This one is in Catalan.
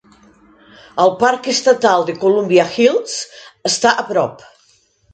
El parc estatal Columbia Hills està a prop.